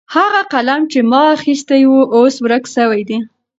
هغه قلم چې ما اخیستی و اوس ورک سوی دی.